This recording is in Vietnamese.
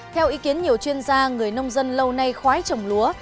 theo ý kiến nhiều chuyên gia người nông dân lâu nay khói trồng lúa